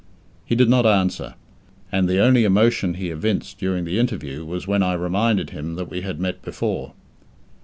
He did not answer, and the only emotion he evinced during the interview was when I reminded him that we had met before.